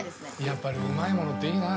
やっぱりうまいものっていいな。